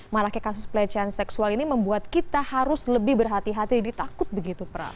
malah kekasus pelecehan seksual ini membuat kita harus lebih berhati hati ditakut begitu pra